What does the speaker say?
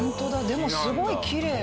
でもすごいきれい！